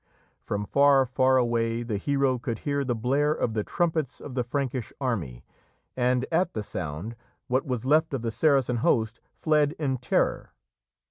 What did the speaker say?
From far, far away the hero could hear the blare of the trumpets of the Frankish army, and, at the sound, what was left of the Saracen host fled in terror.